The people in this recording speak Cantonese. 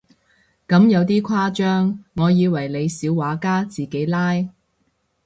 咁有啲誇張，我以為你小畫家自己拉